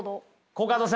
コカドさん。